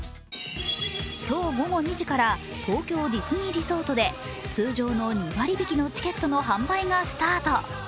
今日午後２時から東京ディズニーリゾートで通常の２割引のチケットの販売がスタート。